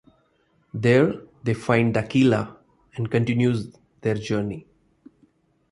There they find Dakila and continues their journey.